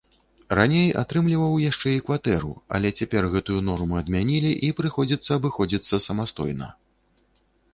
Раней атрымліваў яшчэ і кватэру, але цяпер гэтую норму адмянілі і прыходзіцца абыходзіцца самастойна.